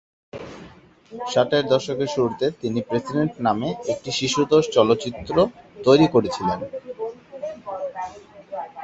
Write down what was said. ষাটের দশকের শুরুতে তিনি ‘প্রেসিডেন্ট’ নামে একটি শিশুতোষ চলচ্চিত্র তৈরি করেছিলেন।